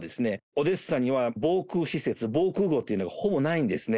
オデーサには防空施設、防空ごうというのがほぼないんですね。